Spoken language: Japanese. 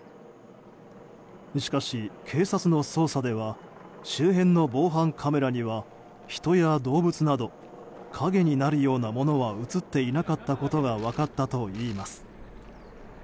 しかし、警察の捜査では周辺の防犯カメラには人や動物など影になるようなものは映っていなかったことが分かったといいます。